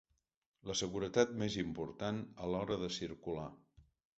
La seguretat més important a l'hora de circular.